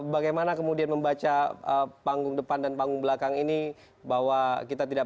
bagaimana kemudian membaca panggung depan dan panggung belakang ini bahwa kita tidak